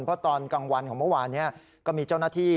เพราะตอนกลางวันของเมื่อวานนี้ก็มีเจ้าหน้าที่